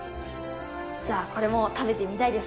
じゃあ、これも食べてみたい